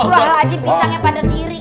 sobrang lagi pisangnya pada diri